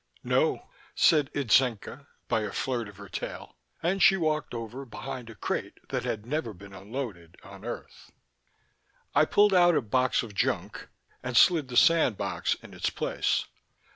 No, said Itzenca by a flirt of her tail. And she walked over behind a crate that had never been unloaded on earth. I pulled out a box of junk and slid the sand box in its place.